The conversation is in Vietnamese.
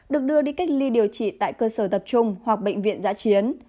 được đưa đi cách ly điều trị tại cơ sở tập trung hoặc bệnh viện giã chiến